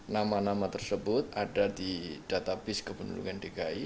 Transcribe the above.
nama nama tersebut ada di database kependudukan dki